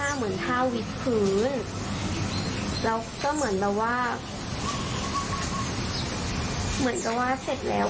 เหมือนก็ว่าเสร็จแล้ว